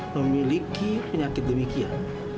memiliki penyakit demikian